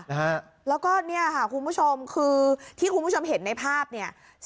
แล้วก็เนี่ยค่ะคุณผู้ชมคือที่คุณผู้ชมเห็นในภาพเนี่ย